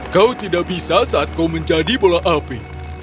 kau tidak bisa saat kau menjadi bola api